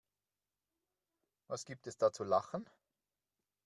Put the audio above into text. Was gibt es da zu lachen?